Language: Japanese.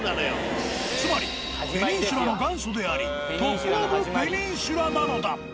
つまりペニンシュラの元祖でありトップオブペニンシュラなのだ。